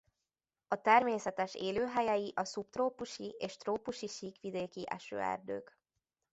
A természetes élőhelyei a szubtrópusi és trópusi síkvidéki esőerdők.